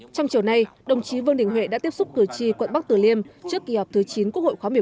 trong chiều nay đồng chí vương đình huệ đã tiếp xúc cử tri quận bắc tử liêm trước kỳ họp thứ chín quốc hội khóa một mươi bốn